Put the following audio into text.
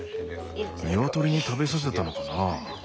ニワトリに食べさせたのかな？